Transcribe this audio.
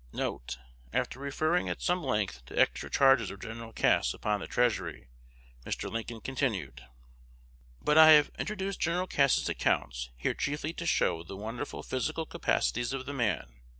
[After referring at some length to extra "charges" of Gen. Cass upon the Treasury, Mr. Lincoln continued: ] But I have introduced Gen. Cass's accounts here chiefly to show the wonderful physical capacities of the man.